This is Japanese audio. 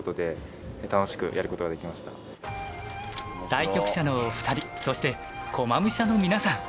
対局者のお二人そして駒武者の皆さん